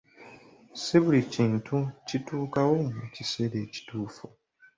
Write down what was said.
Si buli kintu nti kituukawo mu kiseera ekituufu.